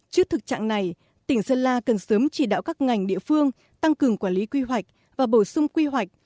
trước thực trạng này tỉnh sơn la cần sớm chỉ đạo các ngành địa phương tăng cường quản lý quy hoạch và bổ sung quy hoạch